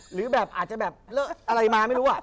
หรืออาจจะแบบอะไรมาไม่รู้วะ